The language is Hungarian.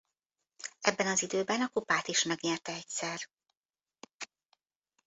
Ebben az időben a kupát is megnyerte egyszer.